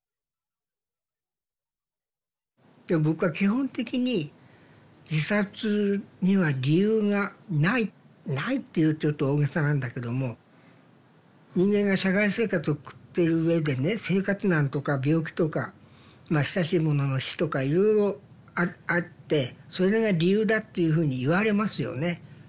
僕は基本的に自殺には理由がないないっていうとちょっと大げさなんだけども人間が社会生活を送ってるうえでね生活難とか病気とかまあ親しい者の死とかいろいろあってそれが理由だっていうふうにいわれますよね。